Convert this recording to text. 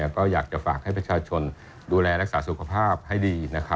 ก็อยากจะฝากให้ประชาชนดูแลรักษาสุขภาพให้ดี